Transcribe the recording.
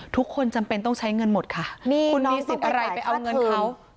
ทุกคนจำเป็นต้องใช้เงินหมดค่ะนี่น้องต้องไปจ่ายค่าถือ